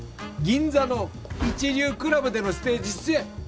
銀座の一流クラブでのステージ出演。